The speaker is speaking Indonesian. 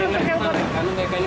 bagaimana dengan perkembangan